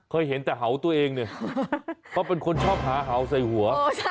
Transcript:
เคยเห็นแต่เห่าตัวเองเนี่ยเขาเป็นคนชอบหาเห่าใส่หัว